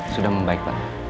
sudah membaik pak